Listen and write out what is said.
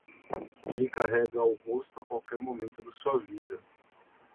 Ele carrega o rosto a qualquer momento de sua vida.